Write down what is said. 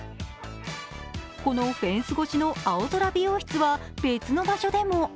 このフェンス越しの青空美容室は別の場所でも。